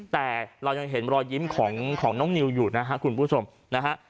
แต่เรายังเห็นรอยยิ้มของน้องนิวอยู่นะฮะคุณผู้ชมนะฮะ